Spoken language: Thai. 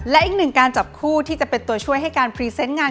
และอีกหนึ่งการจับคู่ที่จะเป็นตัวช่วยให้การพรีเซนต์งาน